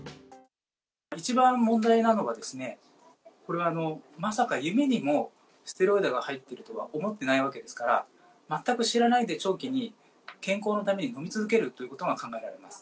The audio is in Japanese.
一番問題なのは、これはまさか夢にもステロイドが入ってるとは思ってないわけですから、全く知らないで長期に健康のために飲み続けるということが考えられます。